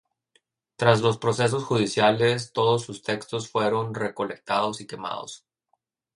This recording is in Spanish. Tras los procesos judiciales, todos sus textos fueron recolectados y quemados.